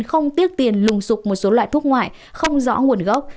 không tiếc tiền lùng sụp một số loại thuốc ngoại không rõ nguồn gốc